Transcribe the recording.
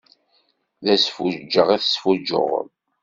D asfuǧǧeɣ i tesfuǧǧuɣeḍ.